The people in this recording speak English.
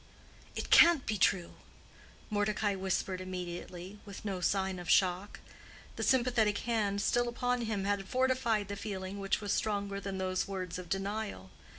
"It can't be true," Mordecai whispered immediately, with no sign of shock. The sympathetic hand still upon him had fortified the feeling which was stronger than those words of denial.